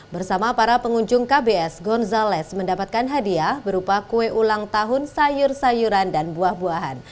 bersama para pengunjung kbs gonzales mendapatkan hadiah berupa kue ulang tahun sayur sayuran dan buah buahan